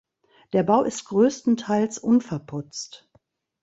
Der Bau ist größtenteils unverputzt.